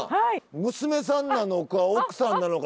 娘さんなのか奥さんなのか。